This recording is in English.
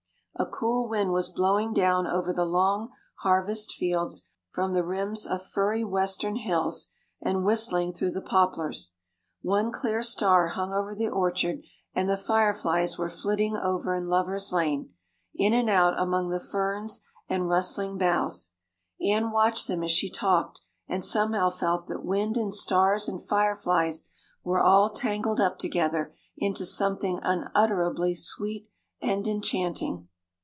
A cool wind was blowing down over the long harvest fields from the rims of firry western hills and whistling through the poplars. One clear star hung over the orchard and the fireflies were flitting over in Lover's Lane, in and out among the ferns and rustling boughs. Anne watched them as she talked and somehow felt that wind and stars and fireflies were all tangled up together into something unutterably sweet and enchanting.